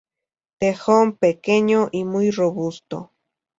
Tejón pequeño y muy robusto.